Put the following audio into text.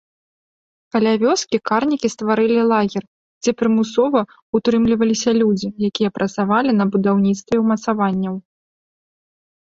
Каля вёскі карнікі стварылі лагер, дзе прымусова ўтрымліваліся людзі, якія працавалі на будаўніцтве ўмацаванняў.